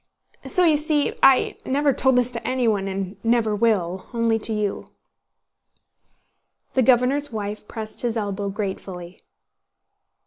So you see... I never told this to anyone and never will, only to you." The governor's wife pressed his elbow gratefully.